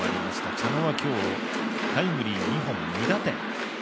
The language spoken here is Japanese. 茶野は今日タイムリー２本、２打点。